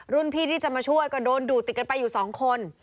พี่ที่จะมาช่วยก็โดนดูดติดกันไปอยู่สองคน